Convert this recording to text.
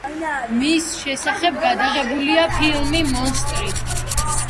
მის შესახებ გადაღებულია ფილმი „მონსტრი“.